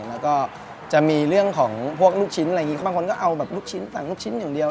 แล้วก็จะมีเรื่องของพวกลูกชิ้นอะไรอย่างนี้บางคนก็เอาแบบลูกชิ้นสั่งลูกชิ้นอย่างเดียว